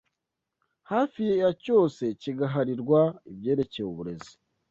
hafi ya cyose kigaharirwa ibyerekeye uburezi.